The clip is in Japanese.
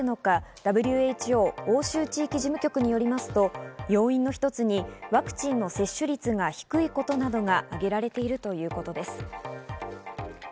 ＷＨＯ＝欧州地域事務局によりますと、要因の一つにワクチンの接種率が低いことなどが挙げられているといいます。